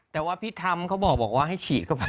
แต่ว่าพี่ธรรมเขาบอกว่าให้ฉีดเข้าไป